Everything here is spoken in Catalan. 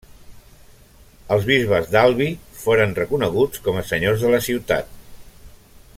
Els bisbes d'Albi foren reconeguts com a senyors de la ciutat.